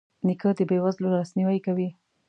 نیکه د بې وزلو لاسنیوی کوي.